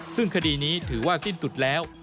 ซึ่งคดีนี้ถือว่าสิ้นสุดแล้ว